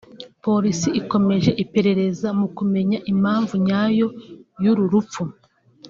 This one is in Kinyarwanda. Polisi ikomeje iperereza mu kumenya impamvu nyayo y’uru rupfu